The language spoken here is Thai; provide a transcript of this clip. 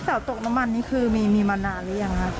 เสาตกน้ำมันนี่คือมีมานานหรือยังครับ